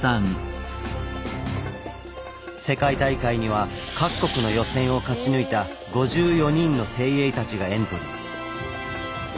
世界大会には各国の予選を勝ち抜いた５４人の精鋭たちがエントリー。